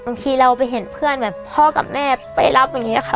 บางทีเราไปเห็นเพื่อนแบบพ่อกับแม่ไปรับอย่างนี้ค่ะ